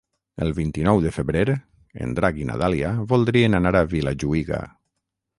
El vint-i-nou de febrer en Drac i na Dàlia voldrien anar a Vilajuïga.